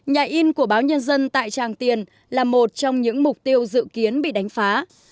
nhà in của báo nhân dân tại tràng tiền là một trong những mục tiêu dự kiến bị đánh phá